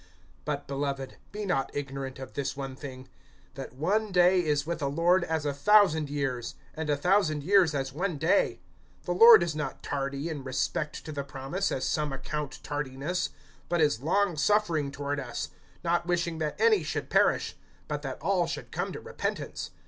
(8)But, beloved, be not ignorant of this one thing, that one day is with the Lord as a thousand years, and a thousand years as one day. (9)The Lord is not tardy in respect to the promise, as some account tardiness; but is long suffering toward us[3:9], not wishing that any should perish, but that all should come to repentance.